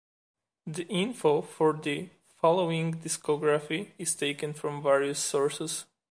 The info for the following discography is taken from various sources.